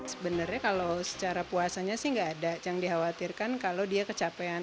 sebenarnya kalau secara puasanya sih nggak ada yang dikhawatirkan kalau dia kecapean